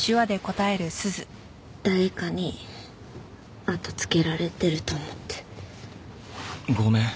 誰かに後つけられてると思って。